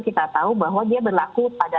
kita tahu bahwa dia berlaku pada